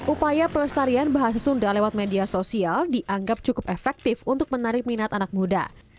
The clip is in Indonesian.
upaya pelestarian bahasa sunda lewat media sosial dianggap cukup efektif untuk menarik minat anak muda